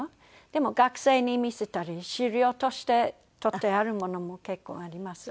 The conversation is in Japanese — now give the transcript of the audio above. でも学生に見せたり資料として取ってあるものも結構あります。